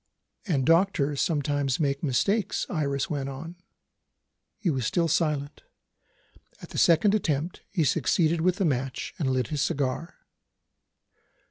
"And doctors sometimes make mistakes," Iris went on. He was still silent. At the second attempt, he succeeded with the match, and lit his cigar.